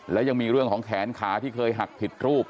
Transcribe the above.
และยังมีเรื่องของแขนขาที่เคยหักผิดรูป